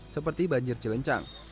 seperti banjir cilencang